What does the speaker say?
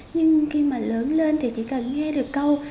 nhưng khi mà lớn lên thì chỉ cần nghe được câu